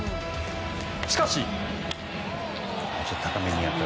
しかし。